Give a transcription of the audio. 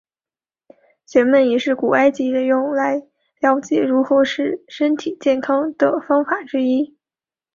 解梦也是古埃及人用来瞭解如何使身体健康的方法之一。